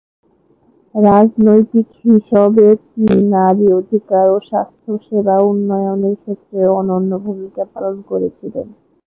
রাজনৈতিক হিসবে তিনি নারী অধিকার ও স্বাস্থ্য সেবা উন্নয়নের ক্ষেত্রে অনন্য ভূমিকা পালন করেছিলেন।